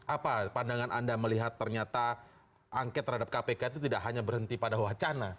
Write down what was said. apa pandangan anda melihat ternyata angket terhadap kpk itu tidak hanya berhenti pada wacana